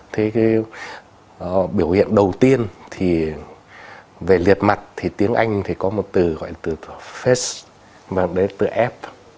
thế cái biểu hiện đầu tiên thì về liệt mặt thì tiếng anh thì có một từ gọi là từ face và đấy là từ f